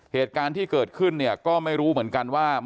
เหตุการณ์ที่เกิดขึ้นเนี่ยก็ไม่รู้เหมือนกันว่า